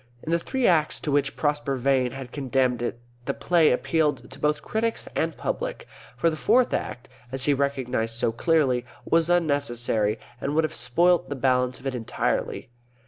In the three Acts to which Prosper Vane had condemned it the play appealed to both critics and public, for the Fourth Act (as he recognised so clearly) was unnecessary, and would have spoilt the balance of it entirely.